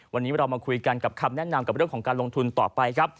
วันนี้เรามาคุยกันกับคำแนะนำกับเรื่องของการลงทุนต่อไปครับ